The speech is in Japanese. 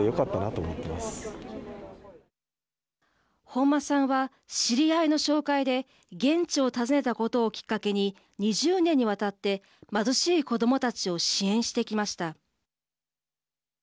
本間さんは知り合いの紹介で現地を訪ねたことをきっかけに２０年にわたって貧しい子どもたちを支援してきました。